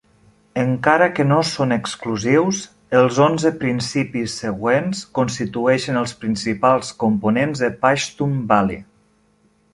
Encara que no són exclusius, els onze principis següents constitueixen els principals components de Pashtunwali.